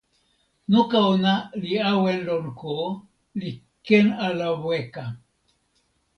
noka ona li awen lon ko, li ken ala weka.